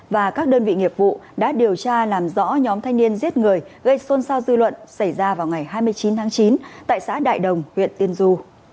và các đơn vị nghiệp vụ đã điều tra làm rõ nhóm thanh niên giết người gây xôn xao dư luận xảy ra vào ngày hai mươi chín tháng chín tại xã đại đồng huyện tiên du